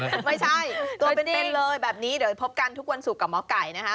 ไม่ใช่ตัวเป็นเลยแบบนี้เดี๋ยวไปพบกันทุกวันศุกร์กับหมอไก่นะคะ